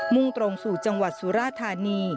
่งตรงสู่จังหวัดสุราธานี